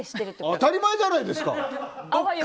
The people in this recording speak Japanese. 当たり前じゃないですか！